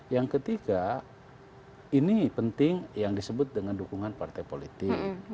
yang ketiga ini penting yang disebut dengan dukungan partai politik